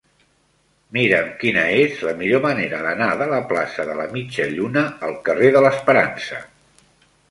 Mira'm quina és la millor manera d'anar de la plaça de la Mitja Lluna al carrer de l'Esperança.